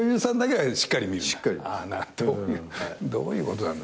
どういうことなんだ？